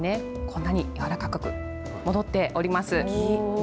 こんなに柔らかく戻っております。